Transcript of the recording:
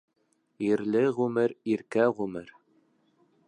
Ирле ғүмер иркә ғүмер.